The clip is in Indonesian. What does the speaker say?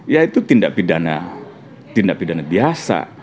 ya itu tindak pidana tindak pidana biasa